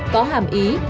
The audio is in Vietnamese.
có hàm ý